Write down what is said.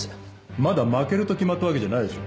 まだ負けると決まったわけじゃないでしょう。